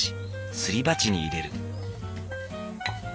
すり鉢に入れる。